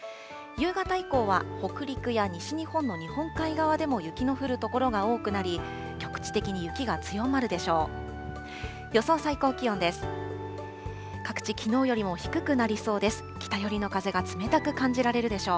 夕方以降は北陸や西日本の日本海側でも雪の降る所が多くなり、局地的に雪が強まるでしょう。